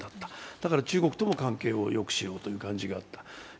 だから中国とも関係をよくしようという感じがあった。